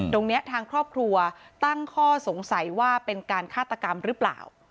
ตรงนี้ทางครอบครัวตั้งข้อสงสัยว่าเป็นการฆาตกรรมหรือเปล่า